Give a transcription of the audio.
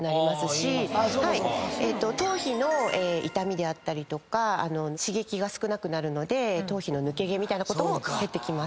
頭皮の傷みであったりとか刺激が少なくなるので頭皮の抜け毛みたいなことも減ってきます。